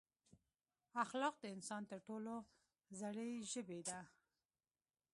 اخلاق د انسان تر ټولو زړې ژبې ده.